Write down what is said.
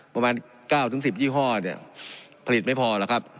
ประมาณเก้าถึงสิบยี่ห้อเนี้ยผลิตไม่พอหรอครับ